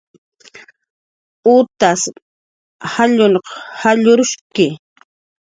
Utas jalluq jallurshki